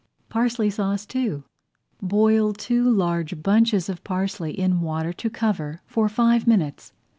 PARSLEY SAUCE II Boil two large bunches of parsley in water to cover for five minutes.